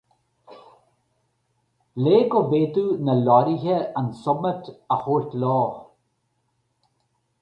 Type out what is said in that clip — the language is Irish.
Le go bhféadfadh na leoraithe an suimint a thabhairt leo.